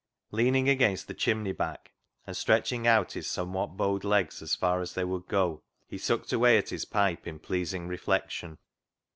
Leaning against the chimney back, and stretching out his somewhat bowed legs as far as they would go, he sucked away at his pipe in pleasing reflection.